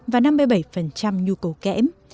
và năm mươi bảy nhu cầu kẽm